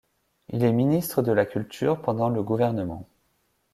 Il est ministre de la Culture pendant le gouvernement.